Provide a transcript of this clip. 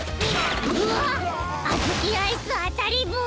うわっあずきアイスあたりぼう！